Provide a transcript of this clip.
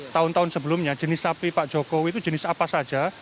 tahun tahun sebelumnya jenis sapi pak jokowi itu jenis apa saja